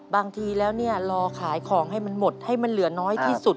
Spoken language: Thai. บางทีแล้วเนี่ยรอขายของให้มันหมดให้มันเหลือน้อยที่สุด